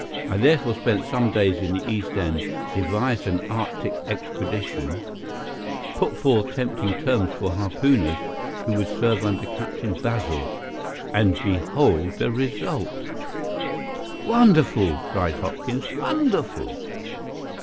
I therefore spent some days in the East End, devised an Arctic expedition, put forth tempting terms for harpooners who would serve under Captain Basil—and behold the result!" "Wonderful!" cried Hopkins. "Wonderful!"